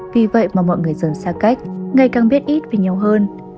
vì vậy mà mọi người dần xa cách ngày càng biết ít với nhau hơn